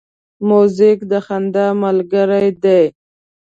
موزیک د خندا ملګری دی.